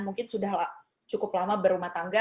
mungkin sudah cukup lama berumah tangga